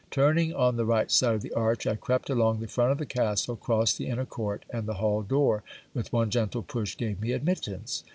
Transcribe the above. Turning on the right side of the arch, I crept along the front of the castle, crossed the inner court, and the hall door, with one gentle push, gave me admittance.